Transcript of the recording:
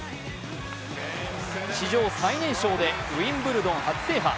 史上最年少でウィンブルドン初制覇。